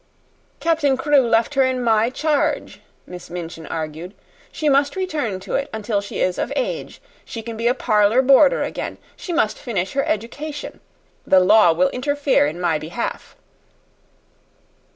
"Captain Crewe left her in my charge," Miss Minchin argued. "She must return to it until she is of age. She can be a parlor boarder again. She must finish her education. The law will interfere in my behalf."